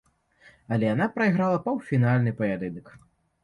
Але яна прайграла паўфінальны паядынак.